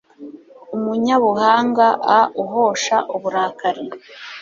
umunyabuhanga auhosha uburakari